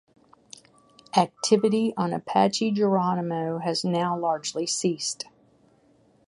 Activity on Apache Geronimo has now largely ceased.